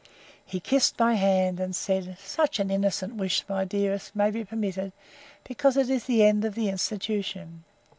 —He kissed my hand, and said, Such an innocent wish, my dearest, may be permitted me, because it is the end of the institution.